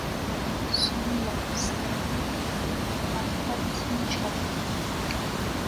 相貌是不很看得清楚，